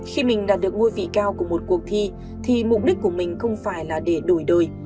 khi mình đạt được ngôi vị cao của một cuộc thi thì mục đích của mình không phải là để đổi đời